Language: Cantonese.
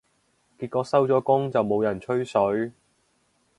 結果收咗工就冇人吹水